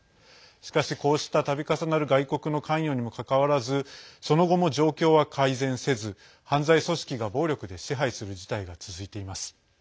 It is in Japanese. しかし、こうした、たび重なる外国の関与にもかかわらずその後も状況は改善せず犯罪組織が暴力で支配する事態が続いています。